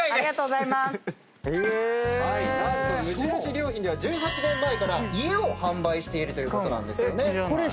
良品では１８年前から家を販売しているということなんですよね。